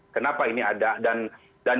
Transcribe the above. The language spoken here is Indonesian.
kenapa ini ada dan